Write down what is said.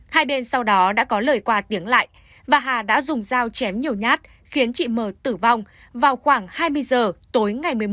hai bên sau đó đã có lời qua tiếng lại và hà đã dùng dao chém nhiều nhát khiến chị m tử vong vào khoảng hai mươi giờ tối ngày một mươi một tháng một